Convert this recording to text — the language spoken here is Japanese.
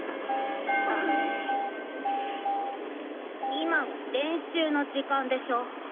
今は練習の時間でしょ？